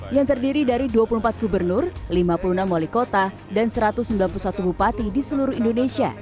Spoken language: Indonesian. yang terdiri dari dua puluh empat gubernur lima puluh enam wali kota dan satu ratus sembilan puluh satu bupati di seluruh indonesia